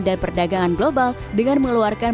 dan perdagangan global dengan mengeluarkan